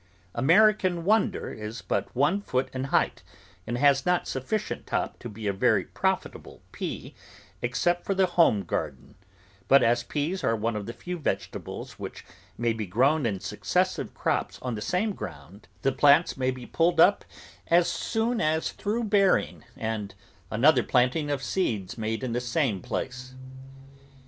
American Wonder is but one foot in height, and has not sufficient top to be a very profitable pea except for the home garden; but as peas are one of the few vegetables which may be grown in successive crops on the same ground, the plants may be pulled up as soon as through bear ing and another planting of seeds made in the same place.